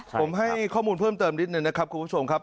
ผมให้ข้อมูลเพิ่มเติมนิดนึงนะครับคุณผู้ชมครับ